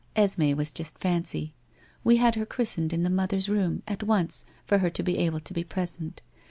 Esme was just fancy. We had her christened in the mother's room, at once, for her to be able to be present.